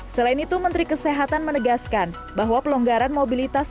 selain itu menteri kesehatan menegaskan bahwa pelonggaran mobilitas